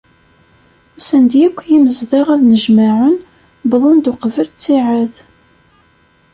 Usan-d yakk yimezdaɣ, ad nnejmaɛen, wwḍen uqbel ttiɛad.